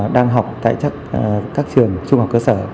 đang học tại các trường trung học cơ sở